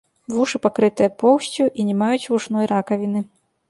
Вушы пакрытыя поўсцю і не маюць вушной ракавіны.